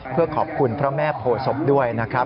เพื่อขอบคุณพระแม่โพศพด้วยนะครับ